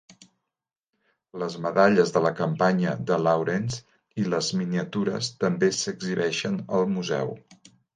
Les medalles de la campanya de Lawrence i les miniatures també s'exhibeixen al museu.